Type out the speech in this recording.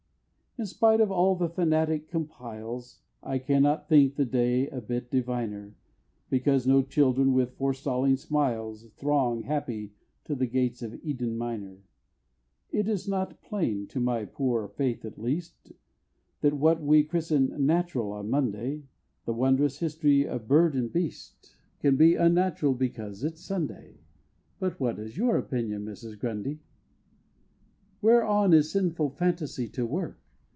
In spite of all the fanatic compiles, I cannot think the day a bit diviner, Because no children, with forestalling smiles, Throng, happy, to the gates of Eden Minor It is not plain, to my poor faith at least, That what we christen "Natural" on Monday, The wondrous History of bird and beast, Can be Unnatural because it's Sunday But what is your opinion, Mrs. Grundy? Whereon is sinful fantasy to work?